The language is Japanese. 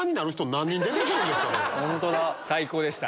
最高でした。